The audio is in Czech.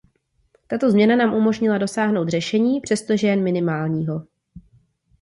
Tato změna nám umožnila dosáhnout řešení, přestože jen minimálního.